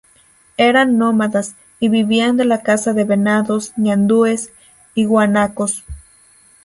Eran nómades y vivían de la caza de venados, ñandúes y guanacos.